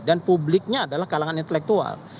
dan publiknya adalah kalangan intelektual